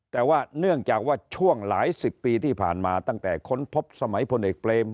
แต่ว่าเนื่องจากว่าช่วงหลายสิบปีที่ผ่านมาตั้งแต่ค้นพบสมัยพลเอกเปรม